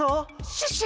シュッシュ？